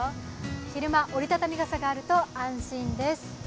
昼間、折りたたみ傘があると安心です。